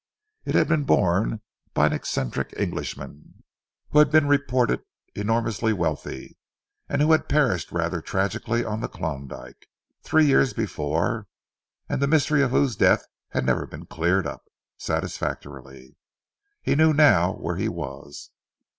It had been borne by an eccentric Englishman, who had been reported enormously wealthy and who had perished rather tragically on the Klondyke, three years before, and the mystery of whose death had never been cleared up, satisfactorily. He knew now where he was.